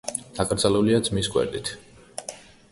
დაკრძალულია ძმის გვერდით.